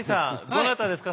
どなたですか？